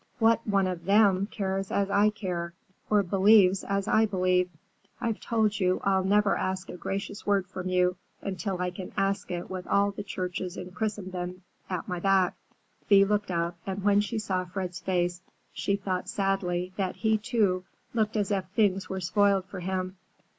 "What one of them cares as I care, or believes as I believe? I've told you I'll never ask a gracious word from you until I can ask it with all the churches in Christendom at my back." Thea looked up, and when she saw Fred's face, she thought sadly that he, too, looked as if things were spoiled for him.